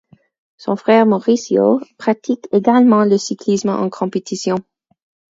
Son frère Mauricio pratique également le cyclisme en compétition.